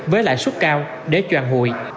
với lại suất cao để choàn hụi